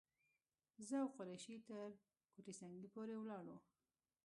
زه او قریشي تر کوټه سنګي پورې ولاړو.